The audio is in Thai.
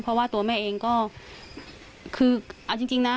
เพราะว่าตัวแม่เองก็คือเอาจริงนะ